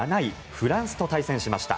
フランスと対戦しました。